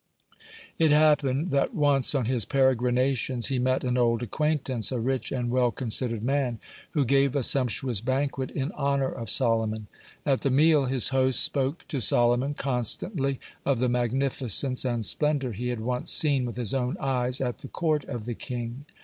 It happened (87) that once on his peregrinations he met an old acquaintance, a rich and well considered man, who gave a sumptuous banquet in honor of Solomon. At the meal his host spoke to Solomon constantly of the magnificence and splendor he had once seen with his own eyes at the court of the king.